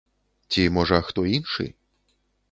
Ці, можа, хто іншы?